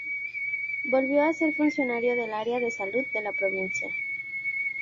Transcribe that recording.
Volvió a ser funcionario del área de salud de la provincia.